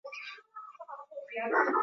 wananchi wameshasema tunamtupigia watara